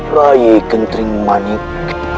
raya kentring manik